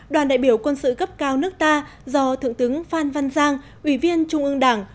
đoàn đại biểu quân sự cấp cao nước ta do thượng tướng phan văn giang ủy viên trung ương đảng